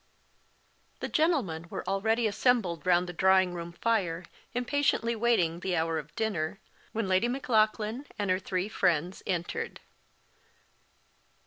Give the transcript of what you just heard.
THE gentlemen were already assembled round the drawing room fire, impatiently waiting the hour of dinner, when Lady Maclaughlan and her three friends entered.